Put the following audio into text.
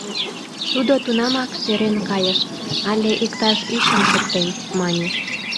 Тудо тунамак сӧрен кайыш: «Але иктаж ӱчым шуктем», — мане.